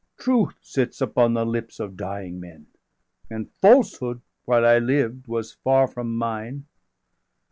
655 Truth sits upon the lips of dying men, And falsehood, while I lived, was far from mine.